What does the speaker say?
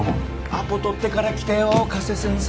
アポ取ってから来てよ加瀬先生